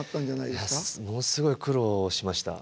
いやものすごい苦労しました。